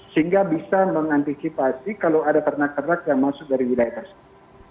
sehingga bisa mengantisipasi kalau ada ternak ternak yang masuk dari wilayah tersebut